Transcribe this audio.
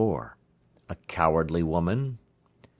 A cowardly woman. 35.